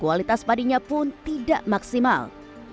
kualitas padinya pun tidak maksimal